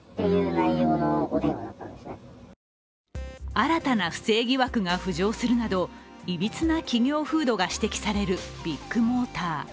新たな不正疑惑が浮上するなどいびつな企業風土が指摘されるビッグモーター。